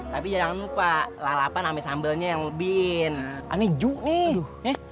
tapi jangan lupa lalapan sama sambelnya yang lebih aneju nih